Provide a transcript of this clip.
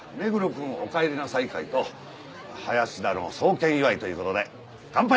くんおかえりなさい会と林田の送検祝いという事で乾杯！